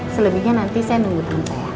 selebihnya nanti saya nunggu tangan saya